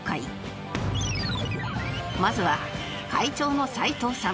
まずは会長の齋藤さん